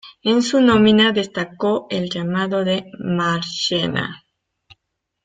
En su nómina destacó el llamado de Marchena.